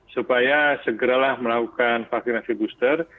supaya segeralah melakukan vaksinasi booster